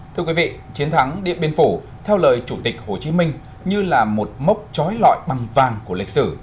thưa quý vị chiến thắng điện biên phủ theo lời chủ tịch hồ chí minh như là một mốc chói lọi bằng vàng của lịch sử